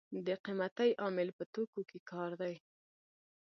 د قیمتۍ عامل په توکو کې کار دی.